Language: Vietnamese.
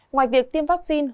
ngoài việc tiêm vaccine